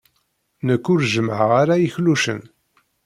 Nekk ur jemmɛeɣ ara iklucen.